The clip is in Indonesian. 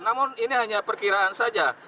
namun ini hanya perkiraan saja